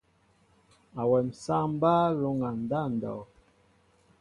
Awem sááŋ mbaa lóŋgá ndáw ndow.